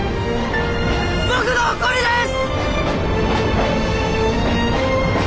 僕の誇りです！